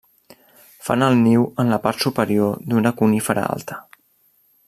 Fan el niu en la part superior d'una conífera alta.